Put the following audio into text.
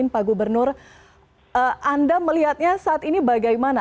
pak gubernur anda melihatnya saat ini bagaimana